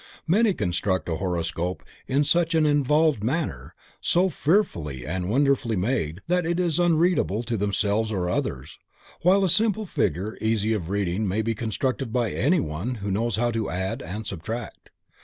Many construct a horoscope in such an involved manner, so "fearfully and wonderfully made" that it is unreadable to themselves or others, while a simple figure easy of reading may be constructed by anyone who knows how to add and subtract.